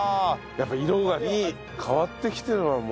やっぱ色が変わってきてるわ。